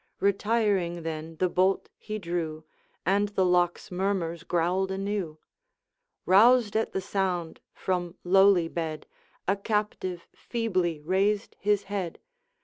Retiring then the bolt he drew, And the lock's murmurs growled anew. Roused at the sound, from lowly bed A captive feebly raised his head.